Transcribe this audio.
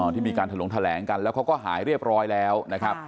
ที่มีการแถลงแถลงกันแล้วเขาก็หายเรียบร้อยแล้วนะครับ